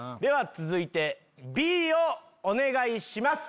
続いてＢをお願いします。